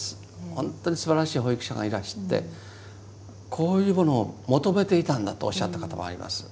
ほんとにすばらしい保育者がいらしてこういうものを求めていたんだとおっしゃった方もあります。